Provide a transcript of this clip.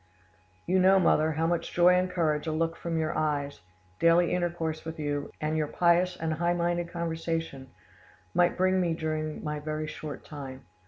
"You know, mother, how much joy and courage a look from your eyes, daily intercourse with you, and your pious and high minded conversation, might bring me during my very short time.